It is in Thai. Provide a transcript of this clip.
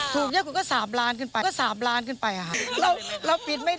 ถูกเยอะสุดก็๓ล้านบาทขึ้นไปค่ะ